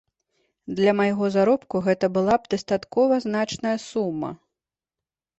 Для майго заробку гэта была б дастаткова значная сума.